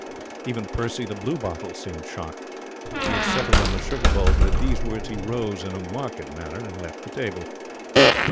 Even Percy the bluebottle seemed shocked. He had settled on the sugar bowl, but at these words he rose in a marked manner and left the table.